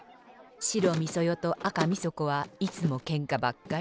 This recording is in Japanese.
白みそ代と赤みそ子はいつもけんかばっかり。